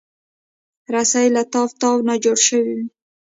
رسۍ له تاو تاو نه جوړه شوې وي.